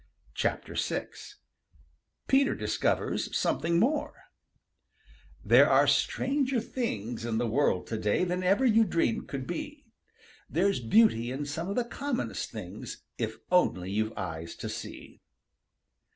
VI PETER DISCOVERS SOMETHING MORE There are stranger things in the world to day Than ever you dreamed could be. There's beauty in some of the commonest things If only you've eyes to see.